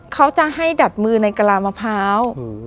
เขาจะให้ดัดมือในกระลามะพร้าว